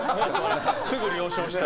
すぐ了承した。